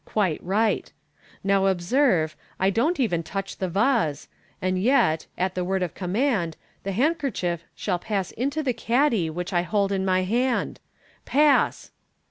Quite right. Now observe, I don't even touch the vase, and yet, at the word of command, the handkerchief will pass into the caddy which I hold in my hand. Pass